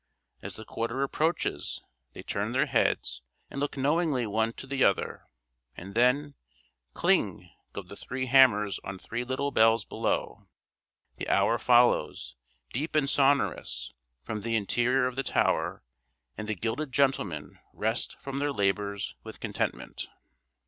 As the quarter approaches, they turn their heads and look knowingly one to the other; and then, kling go the three hammers on three little bells below. The hour follows, deep and sonorous, from the interior of the tower; and the gilded gentlemen rest from their labours with contentment.